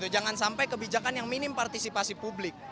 jangan sampai kebijakan yang minim partisipasi publik